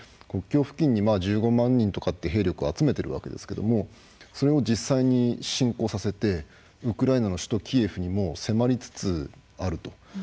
国境付近に１５万人とかいう兵力を集めているわけですけどもそれを実際に侵攻させてウクライナの首都キエフにも迫りつつあると。